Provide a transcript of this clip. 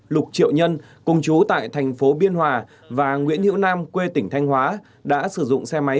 lục triệu nhân cùng chú tại thành phố biên hòa và nguyễn hữu nam quê tỉnh thanh hóa đã sử dụng xe máy